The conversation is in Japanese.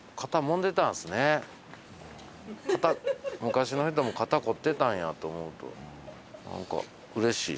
昔の人も肩凝ってたんやと思うと何かうれしいっす。